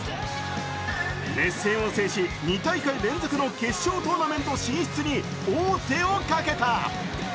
熱戦を制し、２大会連続の決勝トーナメント進出に王手をかけた。